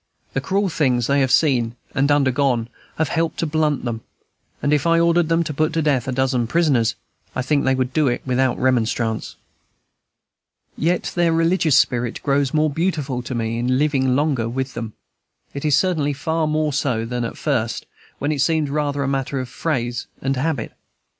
The cruel things they have seen and undergone have helped to blunt them; and if I ordered them to put to death a dozen prisoners, I think they would do it without remonstrance. Yet their religious spirit grows more beautiful to me in living longer with them; it is certainly far more so than at first, when it seemed rather a matter of phrase and habit.